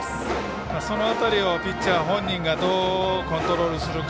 その辺りをピッチャー本人がどうコントロールするか。